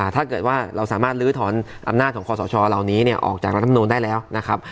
ถ้าเกิดว่าเราสามารถลื้อถอนอำนาจของคอสชเหล่านี้ออกจากรัฐมนูลได้แล้วนะครับ